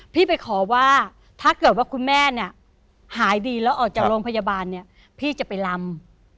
พี่ไปขอว่าถ้าเกิดว่าคุณแม่เนี่ยหายดีแล้วออกจากโรงพยาบาลเนี่ยพี่จะไปลำ